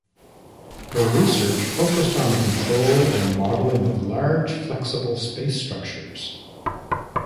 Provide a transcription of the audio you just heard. Her research focused on the control and modeling of large, flexible space structures.